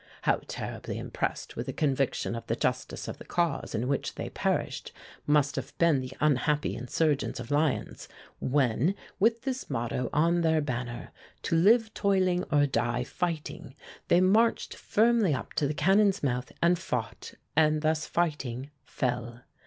How terribly impressed with a conviction of the justice of the cause in which they perished must have been the unhappy insurgents of Lyons, when, with this motto on their banner: 'To live toiling or die fighting,' they marched firmly up to the cannon's mouth and fought, and, thus fighting, fell.